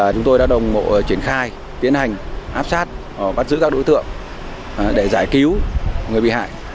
chúng tôi đã đồng bộ triển khai tiến hành áp sát bắt giữ các đối tượng để giải cứu người bị hại